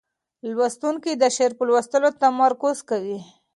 لوستونکی د شعر په لوستلو تمرکز کوي.